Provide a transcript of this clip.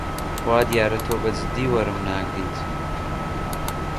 وا دیارە تۆ بە جددی وەرم ناگریت.